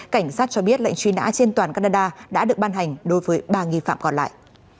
cảnh sát cho biết lệnh truy nã trên toàn canada đã được ban hành đối với ba nghi phạm còn lại